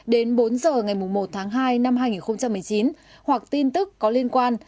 đến bốn h ngày một tháng hai năm hai nghìn một mươi chín hoặc tin tức có liên quan